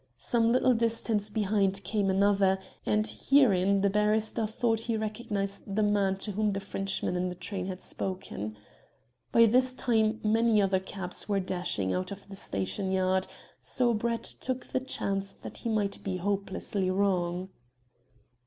Some little distance behind came another, and herein the barrister thought he recognized the man to whom the Frenchman in the train had spoken. By this time many other cabs were dashing out of the station yard, so Brett took the chance that he might be hopelessly wrong.